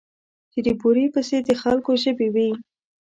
چې د بورې پسې د خلکو ژبې وې.